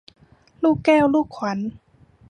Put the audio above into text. ลูกแก้วลูกขวัญ